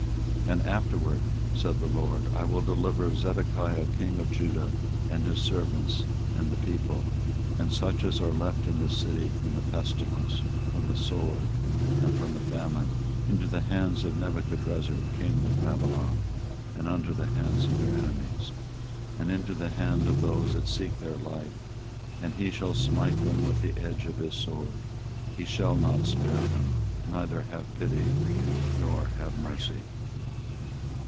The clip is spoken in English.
24:021:007 And afterward, saith the LORD, I will deliver Zedekiah king of Judah, and his servants, and the people, and such as are left in this city from the pestilence, from the sword, and from the famine, into the hand of Nebuchadrezzar king of Babylon, and into the hand of their enemies, and into the hand of those that seek their life: and he shall smite them with the edge of the sword; he shall not spare them, neither have pity, nor have mercy.